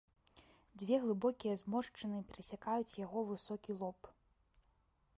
Дзве глыбокія зморшчыны перасякаюць яго высокі лоб.